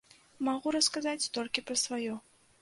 Магу расказаць толькі пра сваё.